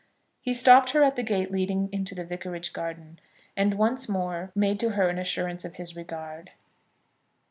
He stopped her at the gate leading into the vicarage garden, and once more made to her an assurance of his regard.